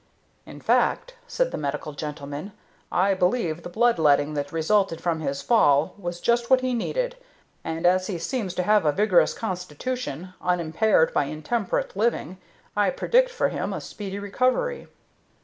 "In fact," said the medical gentleman, "I believe the blood letting that resulted from his fall was just what he needed; and, as he seems to have a vigorous constitution, unimpaired by intemperate living, I predict for him a speedy recovery."